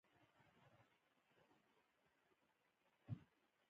د هېڅ شي سودا راسره نه وه.